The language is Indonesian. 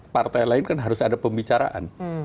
partai lain kan harus ada pembicaraan